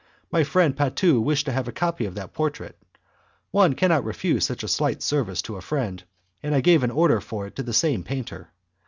My friend Patu wished to have a copy of that portrait; one cannot refuse such a slight service to a friend, and I gave an order for it to the same painter.